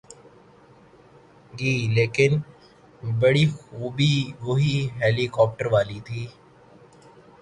گی‘ لیکن بڑی خوبی وہی ہیلی کاپٹر والی تھی۔